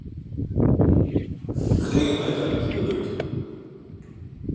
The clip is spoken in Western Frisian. It hinget my ta de kiel út.